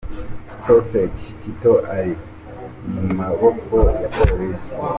Prophet Tito ari mu maboko ya Polisi.